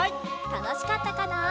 たのしかったかな？